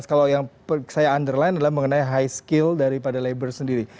kalau yang saya underline adalah mengenai high skill daripada labor sendiri